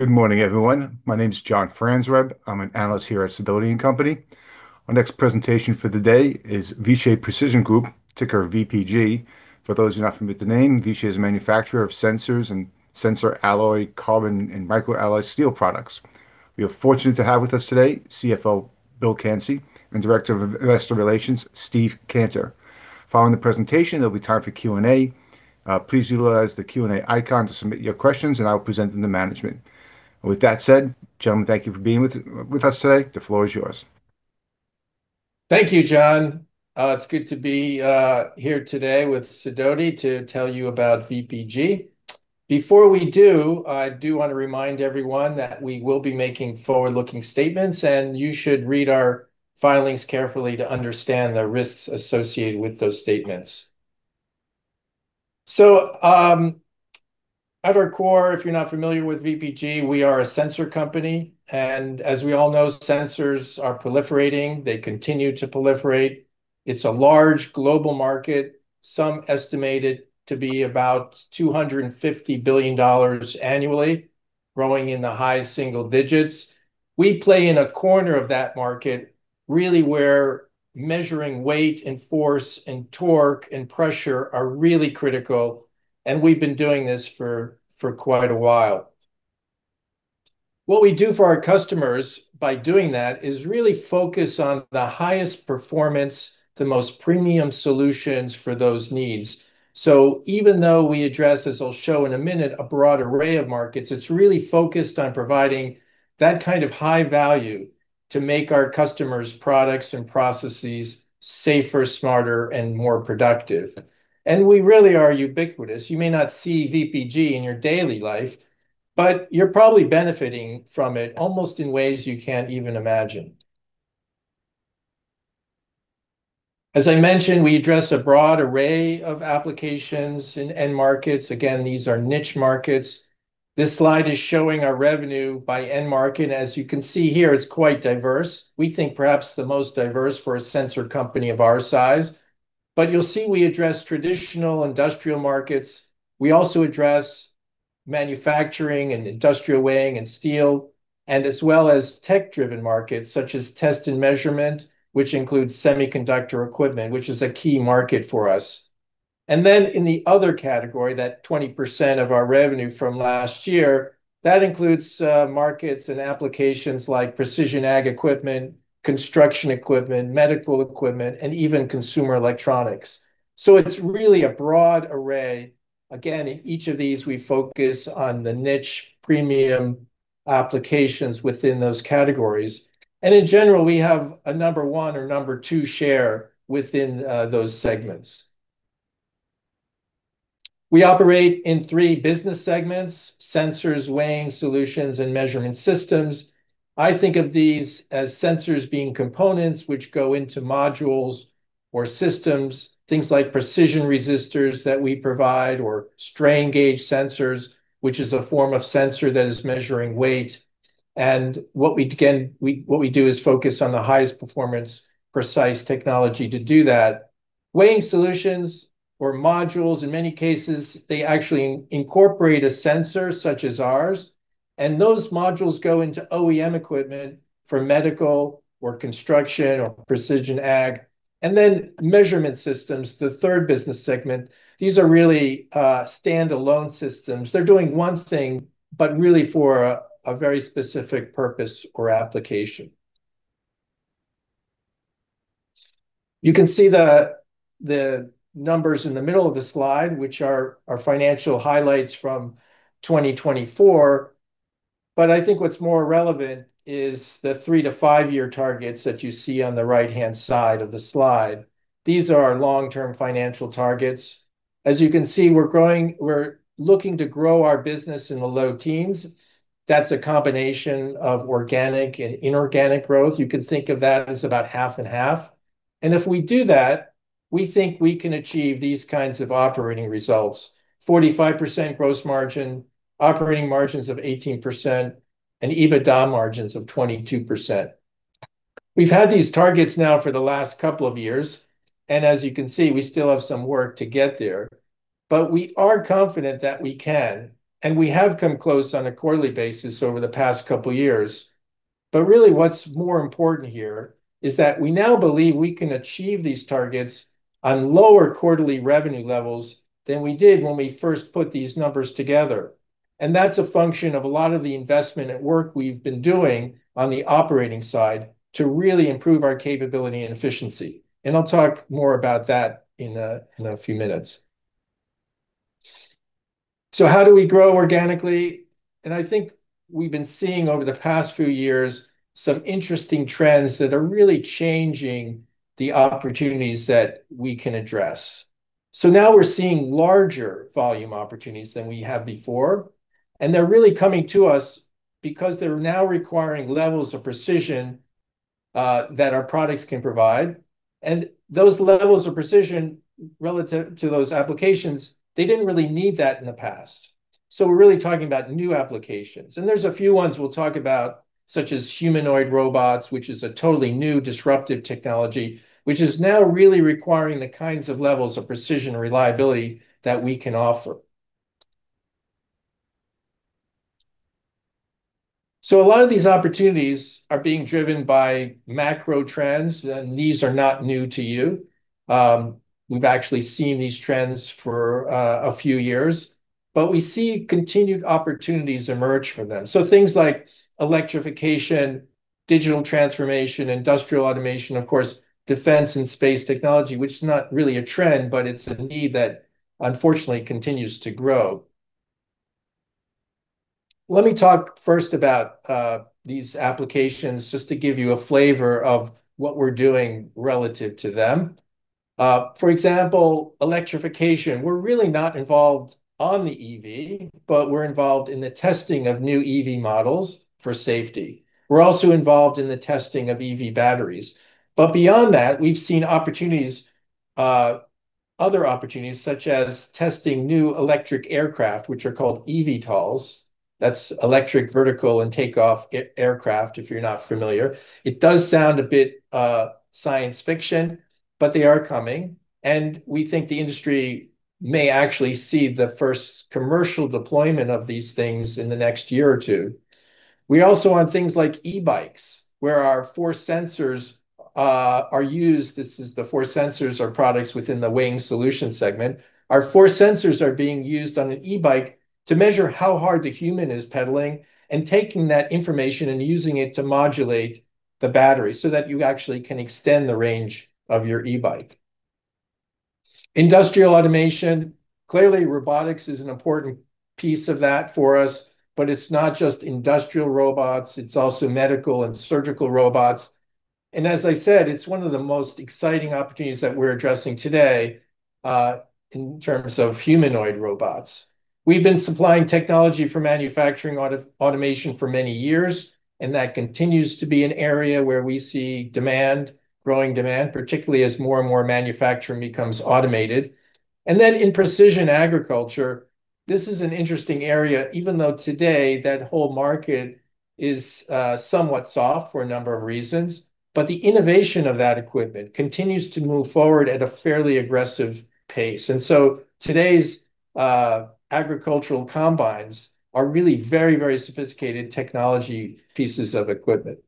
Good morning, everyone. My name is John Farnsworth. I'm an analyst here at Sidoti & Company. Our next presentation for the day is Vishay Precision Group, ticker VPG. For those who are not familiar with the name, Vishay is a manufacturer of sensors and sensor alloy, carbon, and micro-alloy, steel products. We are fortunate to have with us today CFO Bill Clancy and Director of Investor Relations, Steve Cantor. Following the presentation, there'll be time for Q&A. Please utilize the Q&A icon to submit your questions, and I'll present them to management. With that said, gentlemen, thank you for being with us today. The floor is yours. Thank you, John. It's good to be here today with Sidoti to tell you about VPG. Before we do, I do want to remind everyone that we will be making forward-looking statements, and you should read our filings carefully to understand the risks associated with those statements. So at our core, if you're not familiar with VPG, we are a sensor company. And as we all know, sensors are proliferating. They continue to proliferate. It's a large global market, some estimated to be about $250 billion annually, growing in the high single digits. We play in a corner of that market, really where measuring weight and force and torque and pressure are really critical. And we've been doing this for quite a while. What we do for our customers by doing that is really focus on the highest performance, the most premium solutions for those needs. So even though we address, as I'll show in a minute, a broad array of markets, it's really focused on providing that kind of high value to make our customers' products and processes safer, smarter, and more productive. And we really are ubiquitous. You may not see VPG in your daily life, but you're probably benefiting from it almost in ways you can't even imagine. As I mentioned, we address a broad array of applications and markets. Again, these are niche markets. This slide is showing our revenue by end market. And as you can see here, it's quite diverse. We think perhaps the most diverse for a sensor company of our size. But you'll see we address traditional industrial markets. We also address manufacturing and industrial weighing scales, as well as tech-driven markets such as test and measurement, which includes semiconductor equipment, which is a key market for us. And then in the other category, that 20% of our revenue from last year, that includes markets and applications like precision ag equipment, construction equipment, medical equipment, and even consumer electronics. So it's really a broad array. Again, in each of these, we focus on the niche premium applications within those categories. And in general, we have a number one or number two share within those segments. We operate in three business segments: sensors, weighing solutions, and measurement systems. I think of these as sensors being components which go into modules or systems, things like precision resistors that we provide or strain gage sensors, which is a form of sensor that is measuring weight. And what we do is focus on the highest performance, precise technology to do that. Weighing Solutions or modules, in many cases, they actually incorporate a sensor such as ours. And those modules go into OEM equipment for medical or construction or precision ag. And then measurement systems, the third business segment. These are really standalone systems. They're doing one thing, but really for a very specific purpose or application. You can see the numbers in the middle of the slide, which are our financial highlights from 2024. But I think what's more relevant is the three to five-year targets that you see on the right-hand side of the slide. These are our long-term financial targets. As you can see, we're looking to grow our business in the low teens. That's a combination of organic and inorganic growth. You can think of that as about half and half. And if we do that, we think we can achieve these kinds of operating results: 45% gross margin, operating margins of 18%, and EBITDA margins of 22%. We've had these targets now for the last couple of years. And as you can see, we still have some work to get there. But we are confident that we can. And we have come close on a quarterly basis over the past couple of years. But really, what's more important here is that we now believe we can achieve these targets on lower quarterly revenue levels than we did when we first put these numbers together. And that's a function of a lot of the investment at work we've been doing on the operating side to really improve our capability and efficiency. And I'll talk more about that in a few minutes. So how do we grow organically? And I think we've been seeing over the past few years some interesting trends that are really changing the opportunities that we can address. So now we're seeing larger volume opportunities than we had before. And they're really coming to us because they're now requiring levels of precision that our products can provide. And those levels of precision relative to those applications, they didn't really need that in the past. So we're really talking about new applications. And there's a few ones we'll talk about, such as humanoid robots, which is a totally new disruptive technology, which is now really requiring the kinds of levels of precision and reliability that we can offer. So a lot of these opportunities are being driven by macro trends. And these are not new to you. We've actually seen these trends for a few years. But we see continued opportunities emerge for them. Things like electrification, digital transformation, industrial automation, of course, defense and space technology, which is not really a trend, but it's a need that unfortunately continues to grow. Let me talk first about these applications just to give you a flavor of what we're doing relative to them. For example, electrification. We're really not involved on the EV, but we're involved in the testing of new EV models for safety. We're also involved in the testing of EV batteries. But beyond that, we've seen other opportunities, such as testing new electric aircraft, which are called eVTOLs. That's electric vertical takeoff and landing aircraft, if you're not familiar. It does sound a bit science fiction, but they are coming, and we think the industry may actually see the first commercial deployment of these things in the next year or two. We also want things like e-bikes, where our force sensors are used. This is the force sensors or products within the Weighing Solutions segment. Our force sensors are being used on an e-bike to measure how hard the human is pedaling and taking that information and using it to modulate the battery so that you actually can extend the range of your e-bike. Industrial automation. Clearly, robotics is an important piece of that for us. But it's not just industrial robots. It's also medical and surgical robots. And as I said, it's one of the most exciting opportunities that we're addressing today in terms of humanoid robots. We've been supplying technology for manufacturing automation for many years. And that continues to be an area where we see growing demand, particularly as more and more manufacturing becomes automated. And then in precision agriculture, this is an interesting area, even though today that whole market is somewhat soft for a number of reasons. But the innovation of that equipment continues to move forward at a fairly aggressive pace. And so today's agricultural combines are really very, very sophisticated technology pieces of equipment.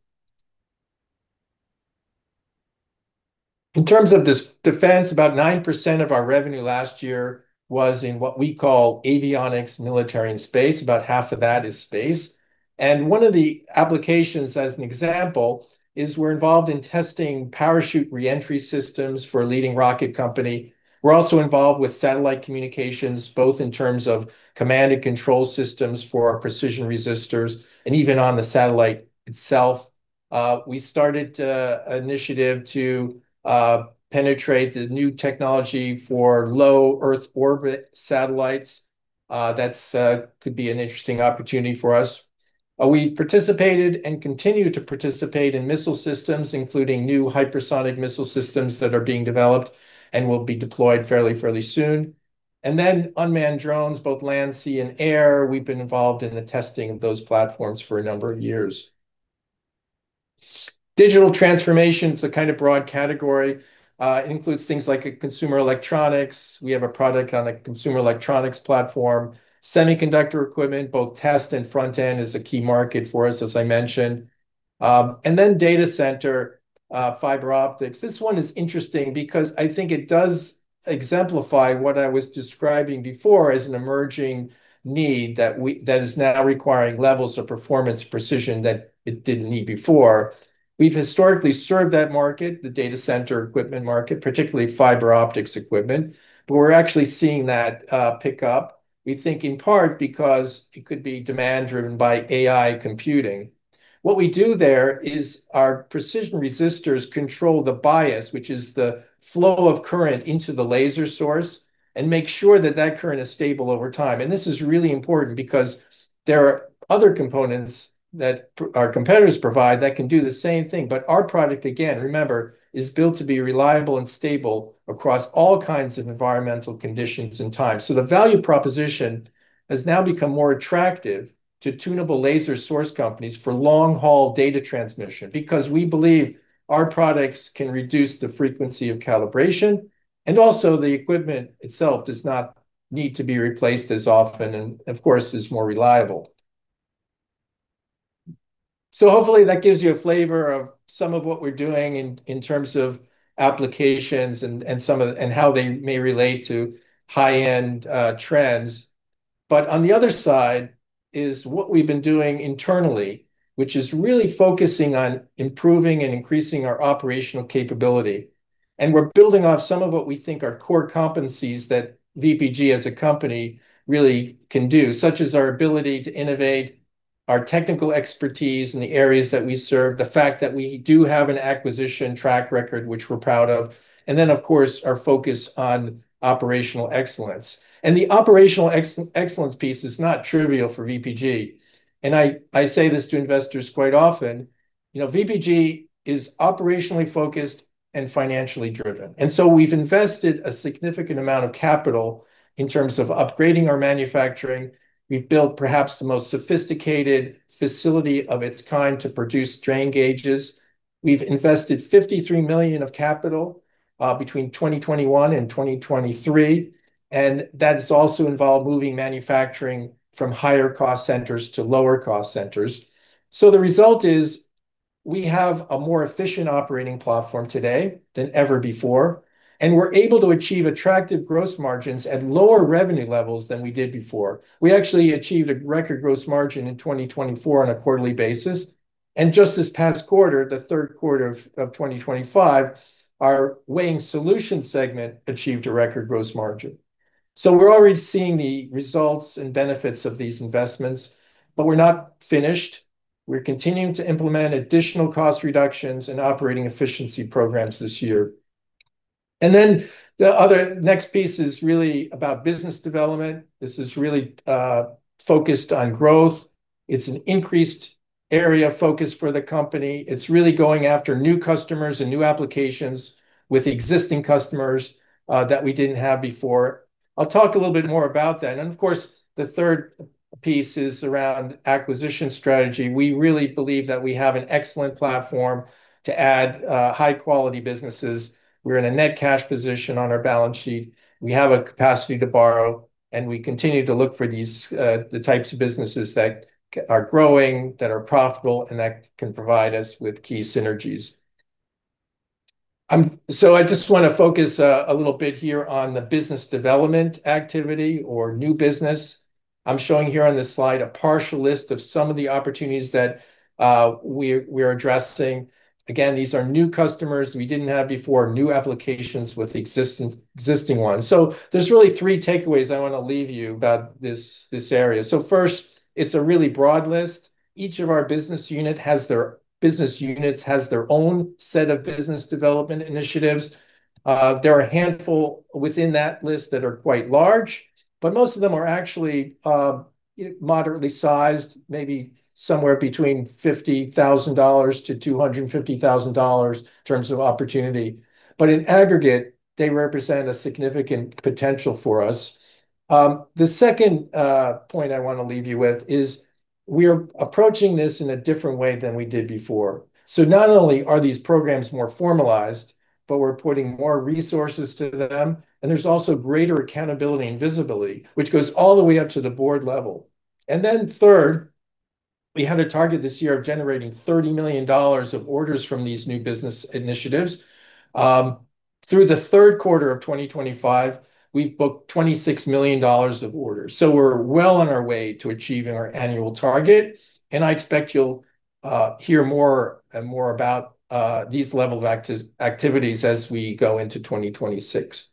In terms of defense, about 9% of our revenue last year was in what we call avionics, military, and space. About half of that is space. And one of the applications, as an example, is we're involved in testing parachute reentry systems for a leading rocket company. We're also involved with satellite communications, both in terms of command and control systems for precision resistors and even on the satellite itself. We started an initiative to penetrate the new technology for low Earth orbit satellites. That could be an interesting opportunity for us. We've participated and continue to participate in missile systems, including new hypersonic missile systems that are being developed and will be deployed fairly, fairly soon, and then unmanned drones, both land, sea, and air. We've been involved in the testing of those platforms for a number of years. Digital transformation is a kind of broad category. It includes things like consumer electronics. We have a product on a consumer electronics platform. Semiconductor equipment, both test and front-end, is a key market for us, as I mentioned, and then data center, fiber optics. This one is interesting because I think it does exemplify what I was describing before as an emerging need that is now requiring levels of performance precision that it didn't need before. We've historically served that market, the data center equipment market, particularly fiber optics equipment, but we're actually seeing that pick up. We think in part because it could be demand-driven by AI computing. What we do there is our precision resistors control the bias, which is the flow of current into the laser source, and make sure that that current is stable over time, and this is really important because there are other components that our competitors provide that can do the same thing, but our product, again, remember, is built to be reliable and stable across all kinds of environmental conditions and time, so the value proposition has now become more attractive to tunable laser source companies for long-haul data transmission because we believe our products can reduce the frequency of calibration, and also, the equipment itself does not need to be replaced as often and, of course, is more reliable. So hopefully, that gives you a flavor of some of what we're doing in terms of applications and how they may relate to high-end trends. But on the other side is what we've been doing internally, which is really focusing on improving and increasing our operational capability. And we're building off some of what we think are core competencies that VPG as a company really can do, such as our ability to innovate, our technical expertise in the areas that we serve, the fact that we do have an acquisition track record, which we're proud of. And then, of course, our focus on operational excellence. And the operational excellence piece is not trivial for VPG. And I say this to investors quite often. VPG is operationally focused and financially driven. And so we've invested a significant amount of capital in terms of upgrading our manufacturing. We've built perhaps the most sophisticated facility of its kind to produce strain gauges. We've invested $53 million of capital between 2021 and 2023, and that has also involved moving manufacturing from higher-cost centers to lower-cost centers, so the result is we have a more efficient operating platform today than ever before, and we're able to achieve attractive gross margins at lower revenue levels than we did before. We actually achieved a record gross margin in 2024 on a quarterly basis, and just this past quarter, Q3 of 2025, our Weighing Solutions segment achieved a record gross margin, so we're already seeing the results and benefits of these investments, but we're not finished. We're continuing to implement additional cost reductions and operating efficiency programs this year, and then the other next piece is really about business development. This is really focused on growth. It's an increased area focus for the company. It's really going after new customers and new applications with existing customers that we didn't have before. I'll talk a little bit more about that. And of course, the third piece is around acquisition strategy. We really believe that we have an excellent platform to add high-quality businesses. We're in a net cash position on our balance sheet. We have a capacity to borrow. And we continue to look for the types of businesses that are growing, that are profitable, and that can provide us with key synergies. So I just want to focus a little bit here on the business development activity or new business. I'm showing here on this slide a partial list of some of the opportunities that we're addressing. Again, these are new customers we didn't have before, new applications with existing ones. So there's really three takeaways I want to leave you about this area. So first, it's a really broad list. Each of our business unit has their own set of business development initiatives. There are a handful within that list that are quite large. But most of them are actually moderately sized, maybe somewhere between $50,000 to 250,000 in terms of opportunity. But in aggregate, they represent a significant potential for us. The second point I want to leave you with is we're approaching this in a different way than we did before. So not only are these programs more formalized, but we're putting more resources to them. And there's also greater accountability and visibility, which goes all the way up to the board level. And then third, we had a target this year of generating $30 million of orders from these new business initiatives. Through the Q3 of 2025, we've booked $26 million of orders. So we're well on our way to achieving our annual target. And I expect you'll hear more and more about these level of activities as we go into 2026.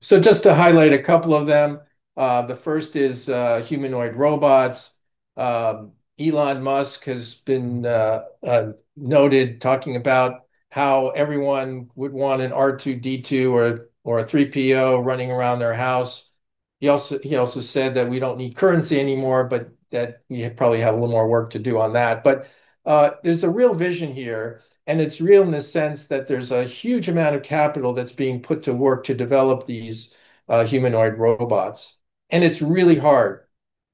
So just to highlight a couple of them, the first is humanoid robots. Elon Musk has been noted talking about how everyone would want an R2-D2 or a C-3PO running around their house. He also said that we don't need currency anymore, but that we probably have a little more work to do on that. But there's a real vision here. And it's real in the sense that there's a huge amount of capital that's being put to work to develop these humanoid robots. And it's really hard.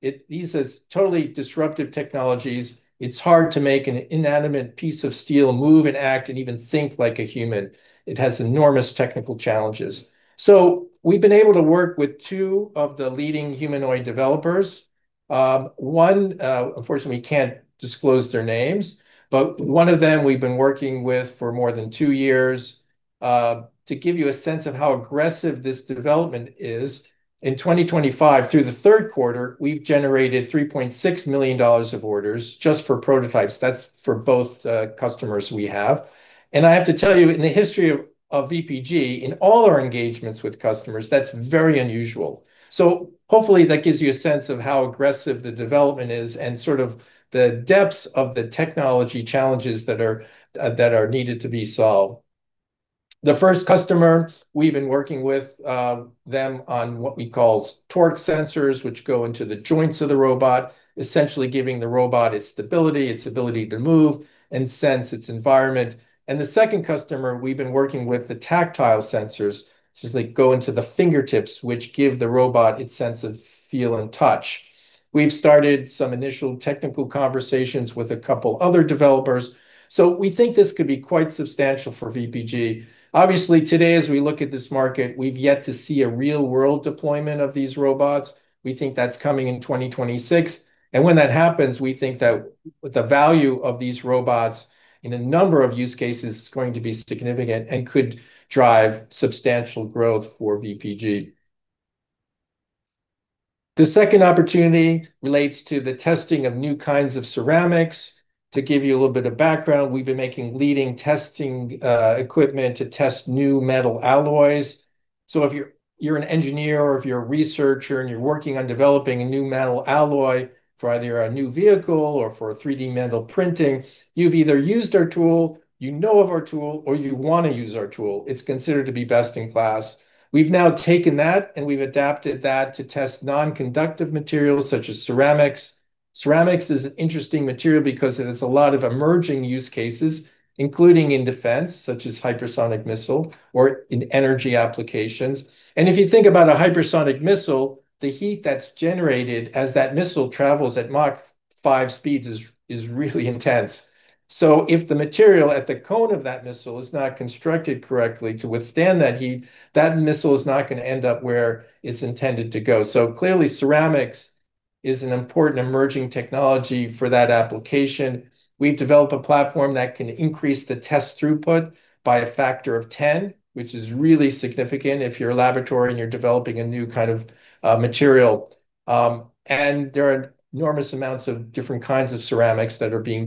These are totally disruptive technologies. It's hard to make an inanimate piece of steel move and act and even think like a human. It has enormous technical challenges, so we've been able to work with two of the leading humanoid developers. One, unfortunately, we can't disclose their names, but one of them we've been working with for more than two years. To give you a sense of how aggressive this development is, in 2025, through Q3, we've generated $3.6 million of orders just for prototypes. That's for both customers we have, and I have to tell you, in the history of VPG, in all our engagements with customers, that's very unusual, so hopefully, that gives you a sense of how aggressive the development is and sort of the depths of the technology challenges that are needed to be solved. The first customer, we've been working with them on what we call torque sensors, which go into the joints of the robot, essentially giving the robot its stability, its ability to move, and sense its environment, and the second customer, we've been working with the tactile sensors, which go into the fingertips, which give the robot its sense of feel and touch. We've started some initial technical conversations with a couple of other developers, so we think this could be quite substantial for VPG. Obviously, today, as we look at this market, we've yet to see a real-world deployment of these robots. We think that's coming in 2026, and when that happens, we think that the value of these robots in a number of use cases is going to be significant and could drive substantial growth for VPG. The second opportunity relates to the testing of new kinds of ceramics. To give you a little bit of background, we've been making leading testing equipment to test new metal alloys, so if you're an engineer or if you're a researcher and you're working on developing a new metal alloy for either a new vehicle or for 3D metal printing, you've either used our tool, you know of our tool, or you want to use our tool. It's considered to be best in class. We've now taken that and we've adapted that to test non-conductive materials such as ceramics. Ceramics is an interesting material because it has a lot of emerging use cases, including in defense, such as hypersonic missile or in energy applications, and if you think about a hypersonic missile, the heat that's generated as that missile travels at Mach 5 speeds is really intense. So if the material at the cone of that missile is not constructed correctly to withstand that heat, that missile is not going to end up where it's intended to go. So clearly, ceramics is an important emerging technology for that application. We've developed a platform that can increase the test throughput by a factor of 10, which is really significant if you're a laboratory and you're developing a new kind of material. And there are enormous amounts of different kinds of ceramics that are being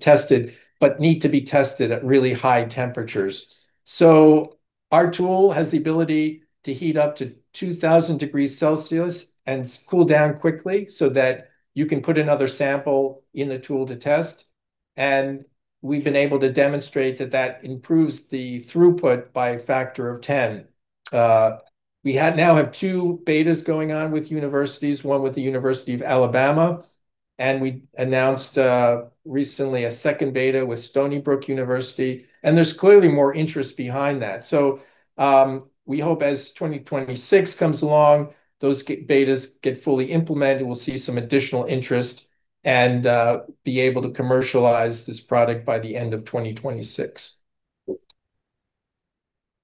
tested, but need to be tested at really high temperatures. So our tool has the ability to heat up to 2,000 degrees Celsius and cool down quickly so that you can put another sample in the tool to test. And we've been able to demonstrate that that improves the throughput by a factor of 10. We now have two betas going on with universities, one with the University of Alabama. And we announced recently a second beta with Stony Brook University. And there's clearly more interest behind that. So we hope as 2026 comes along, those betas get fully implemented, we'll see some additional interest and be able to commercialize this product by the end of 2026.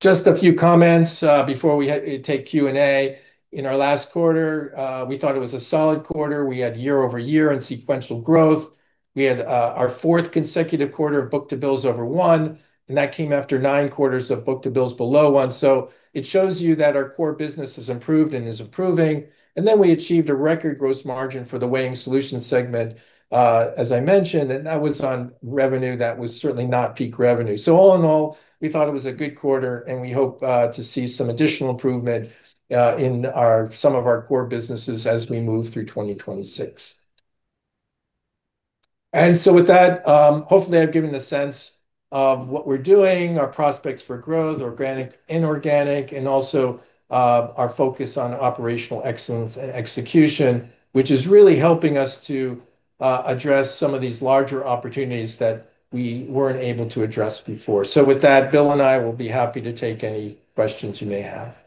Just a few comments before we take Q&A. In our last quarter, we thought it was a solid quarter. We had year-over-year and sequential growth. We had our fourth consecutive quarter of book-to-bills over one. And that came after nine quarters of book-to-bills below one. So it shows you that our core business has improved and is improving. And then we achieved a record gross margin for the Weighing Solutions segment, as I mentioned. And that was on revenue that was certainly not peak revenue. So all in all, we thought it was a good quarter. And we hope to see some additional improvement in some of our core businesses as we move through 2026. And so with that, hopefully, I've given a sense of what we're doing, our prospects for growth, organic and inorganic, and also our focus on operational excellence and execution, which is really helping us to address some of these larger opportunities that we weren't able to address before. So with that, Bill and I will be happy to take any questions you may have.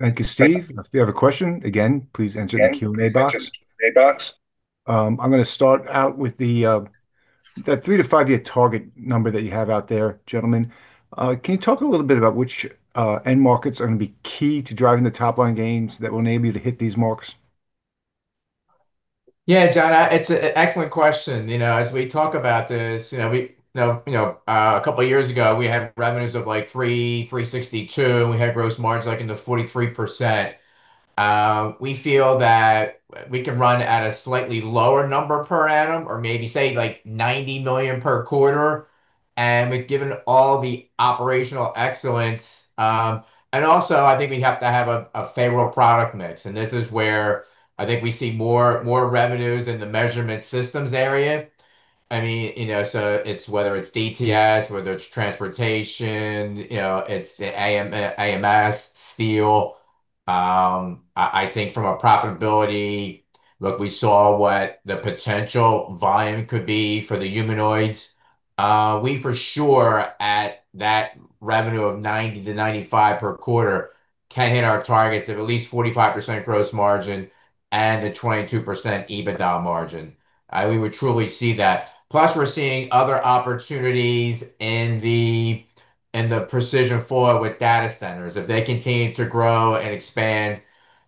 Thank you, Steve. If you have a question, again, please enter the Q&A box. I'm going to start out with the three-to-five-year target number that you have out there, gentlemen. Can you talk a little bit about which end markets are going to be key to driving the top line gains that will enable you to hit these marks? Yeah, John, it's an excellent question. As we talk about this, a couple of years ago, we had revenues of like $362 million. We had gross margins like in the 43%. We feel that we can run at a slightly lower number per annum or maybe say like $90 million per quarter. And we've given all the operational excellence. And also, I think we have to have a favorable product mix. And this is where I think we see more revenues in the measurement systems area. I mean, so it's whether it's DTS, whether it's transportation, it's the AMS, steel. I think from a profitability, look, we saw what the potential volume could be for the humanoids. We, for sure, at that revenue of $90 to 95 per quarter can hit our targets of at least 45% gross margin and the 22% EBITDA margin. We would truly see that. Plus, we're seeing other opportunities in the precision resistors with data centers. If they continue to grow and expand,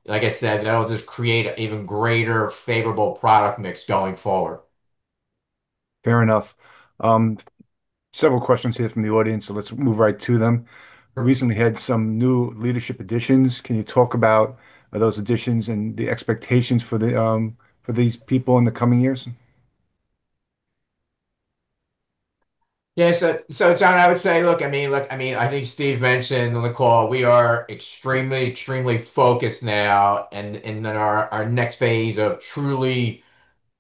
like I said, that'll just create an even greater favorable product mix going forward. Fair enough. Several questions here from the audience, so let's move right to them. We recently had some new leadership additions. Can you talk about those additions and the expectations for these people in the coming years? Yeah. So John, I would say, look, I mean, I think Steve mentioned in the call, we are extremely, extremely focused now in our next phase of truly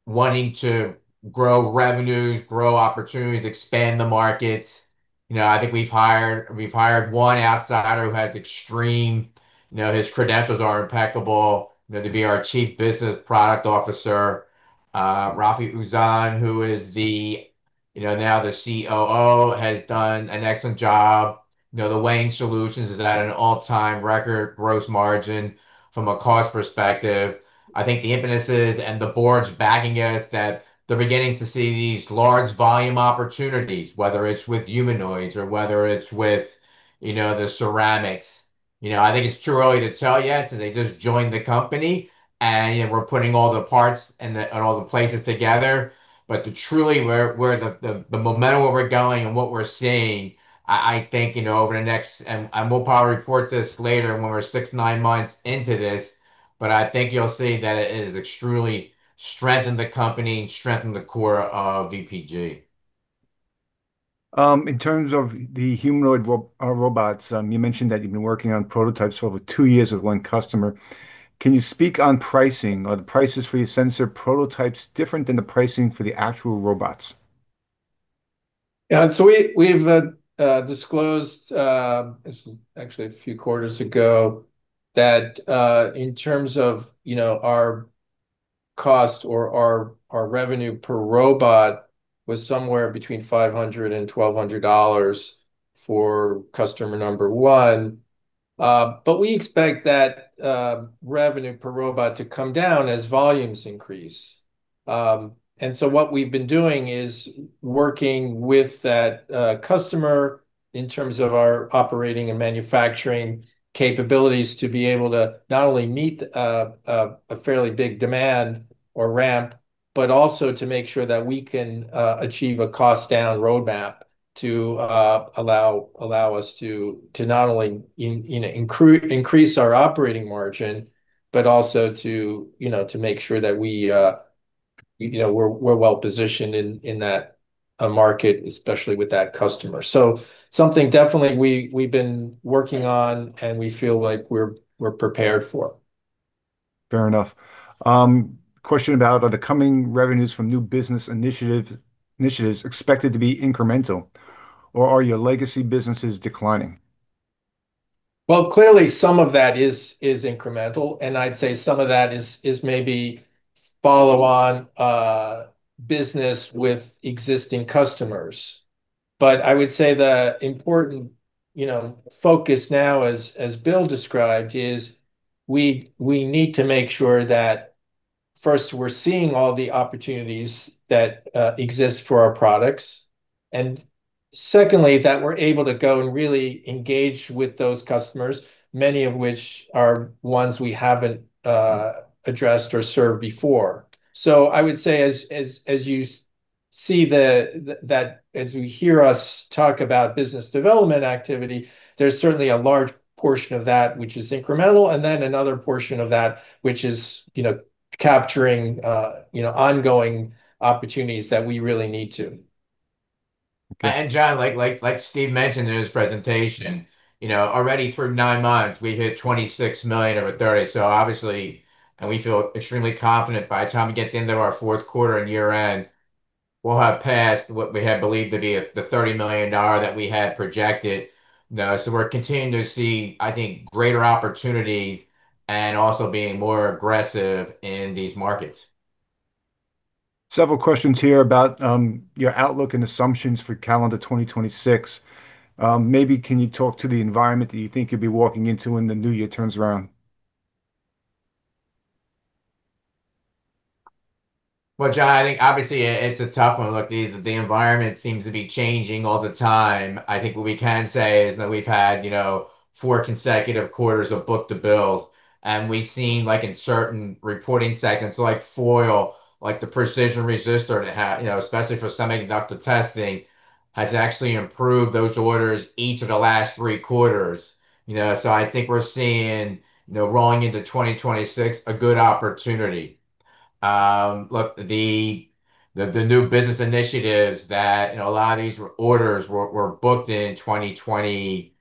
wanting to grow revenues, grow opportunities, expand the markets. I think we've hired one outsider who has extreme, his credentials are impeccable to be our Chief Business Product Officer, Rafi Uzan, who is now the COO, has done an excellent job. The Weighing Solutions is at an all-time record gross margin from a cost perspective. I think the impetus is, and the board's backing us, that they're beginning to see these large volume opportunities, whether it's with humanoids or whether it's with the ceramics. I think it's too early to tell yet since they just joined the company, and we're putting all the parts and all the places together. But truly, the momentum where we're going and what we're seeing, I think over the next, and we'll probably report this later when we're six, nine months into this, but I think you'll see that it has extremely strengthened the company and strengthened the core of VPG. In terms of the humanoid robots, you mentioned that you've been working on prototypes for over two years with one customer. Can you speak on pricing or the prices for your sensor prototypes different than the pricing for the actual robots? Yeah. So we've disclosed actually a few quarters ago that in terms of our cost or our revenue per robot was somewhere between $500 and $1,200 for customer number one. But we expect that revenue per robot to come down as volumes increase. And so what we've been doing is working with that customer in terms of our operating and manufacturing capabilities to be able to not only meet a fairly big demand or ramp, but also to make sure that we can achieve a cost-down roadmap to allow us to not only increase our operating margin, but also to make sure that we're well-positioned in that market, especially with that customer. So something definitely we've been working on and we feel like we're prepared for. Fair enough. Question about are the coming revenues from new business initiatives expected to be incremental or are your legacy businesses declining? Well, clearly, some of that is incremental. And I'd say some of that is maybe follow-on business with existing customers. But I would say the important focus now, as Bill described, is we need to make sure that first, we're seeing all the opportunities that exist for our products. And secondly, that we're able to go and really engage with those customers, many of which are ones we haven't addressed or served before. So I would say as you see that, as you hear us talk about business development activity, there's certainly a large portion of that, which is incremental. And then another portion of that, which is capturing ongoing opportunities that we really need to. And John, like Steve mentioned in his presentation, already through nine months, we hit $26 million over $30 million. So obviously, and we feel extremely confident by the time we get to the end of our Q4 and year-end, we'll have passed what we had believed to be the $30 million that we had projected. So we're continuing to see, I think, greater opportunities and also being more aggressive in these markets. Several questions here about your outlook and assumptions for calendar 2026. Maybe can you talk to the environment that you think you'll be walking into when the new year turns around? Well, John, I think obviously it's a tough one. Look, the environment seems to be changing all the time. I think what we can say is that we've had four consecutive quarters of book-to-bill. And we've seen in certain reporting segments, like foil, like the precision resistor, especially for semiconductor testing, has actually improved those orders each of the last three quarters. So I think we're seeing rolling into 2026 a good opportunity. Look, the new business initiatives that a lot of these orders were booked in 2025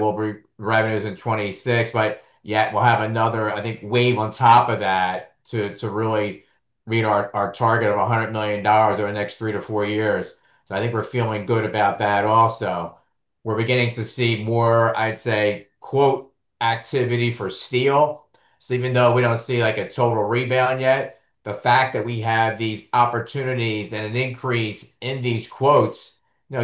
will be revenues in 2026. But yeah, we'll have another, I think, wave on top of that to really meet our target of $100 million over the next three to four years. So I think we're feeling good about that also. We're beginning to see more, I'd say, quote activity for steel. So even though we don't see a total rebound yet, the fact that we have these opportunities and an increase in these quotes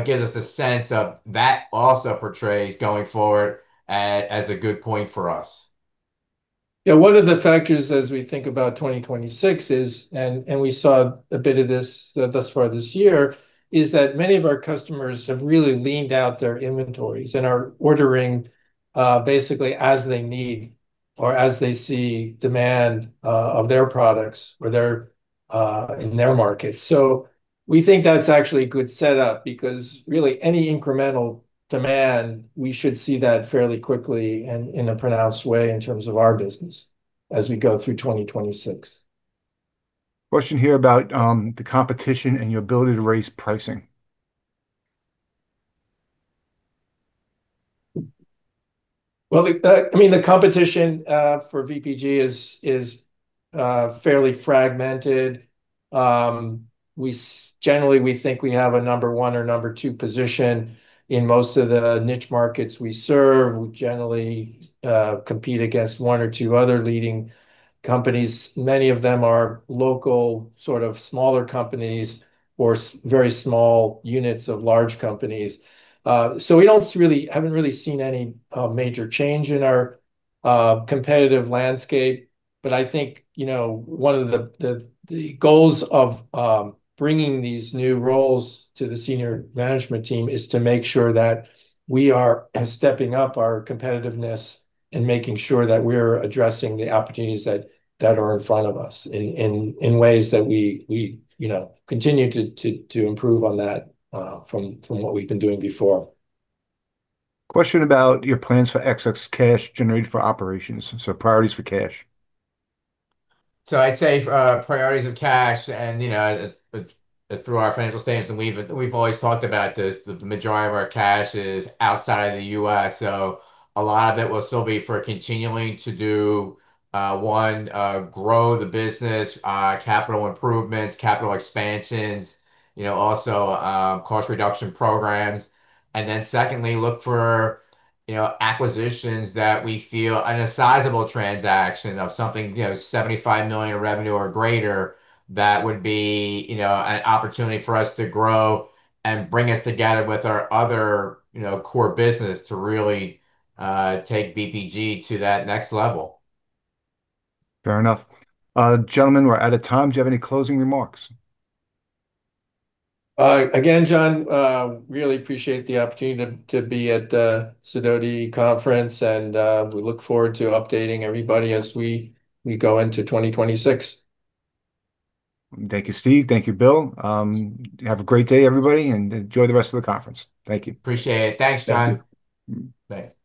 gives us a sense of that also portrays going forward as a good point for us. Yeah. One of the factors as we think about 2026, and we saw a bit of this thus far this year, is that many of our customers have really leaned out their inventories and are ordering basically as they need or as they see demand of their products in their markets. So we think that's actually a good setup because really any incremental demand, we should see that fairly quickly and in a pronounced way in terms of our business as we go through 2026. Question here about the competition and your ability to raise pricing. Well, I mean, the competition for VPG is fairly fragmented. Generally, we think we have a number one or number two position in most of the niche markets we serve. We generally compete against one or two other leading companies. Many of them are local sort of smaller companies or very small units of large companies, so we haven't really seen any major change in our competitive landscape, but I think one of the goals of bringing these new roles to the senior management team is to make sure that we are stepping up our competitiveness and making sure that we're addressing the opportunities that are in front of us in ways that we continue to improve on that from what we've been doing before. Question about your plans for excess cash generated for operations. So priorities for cash. So I'd say priorities of cash and through our financial statements, and we've always talked about this, the majority of our cash is outside of the US. So a lot of it will still be for continuing to do, one, grow the business, capital improvements, capital expansions, also cost reduction programs. And then secondly, look for acquisitions that we feel, and a sizable transaction of something $75 million revenue or greater that would be an opportunity for us to grow and bring us together with our other core business to really take VPG to that next level. Fair enough. Gentlemen, we're out of time. Do you have any closing remarks? Again, John, really appreciate the opportunity to be at the Sidoti Conference. And we look forward to updating everybody as we go into 2026. Thank you, Steve. Thank you, Bill. Have a great day, everybody, and enjoy the rest of the conference. Thank you. Appreciate it. Thanks, John. Thanks. Bye.